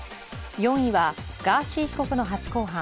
４位はガーシー被告の初公判。